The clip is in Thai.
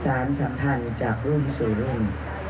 สารสัมพันธ์จากรุ่นสู่รุ่น